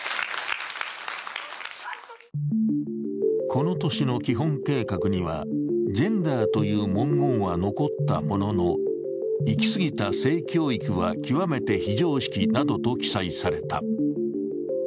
この年の基本計画にはジェンダーという文言は残ったものの、行き過ぎた性教育は極めて非常識などと記載された。